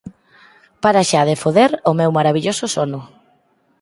Para xa de foder o meu marabilloso sono.